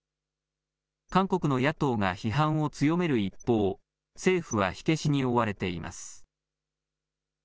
韓国の野党が批判を強める一方、政府は火消しに追われています。